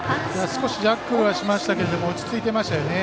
少しジャッグルはしましたけど落ち着いてましたね。